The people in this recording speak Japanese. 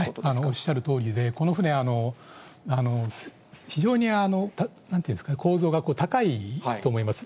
おっしゃるとおりで、この船、非常に、なんていうんですか、構造が高いと思います。